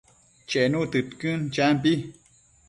Chenu tëdquën, champi